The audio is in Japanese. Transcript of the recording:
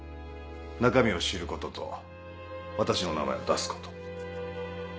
中身を知ることと私の名前を出すこと。